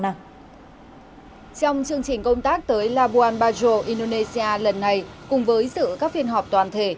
trong chương trình công tác tới labuan bajo indonesia lần này cùng với dự các phiên họp toàn thể